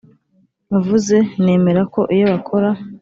Avuze nemera ko iyo bakora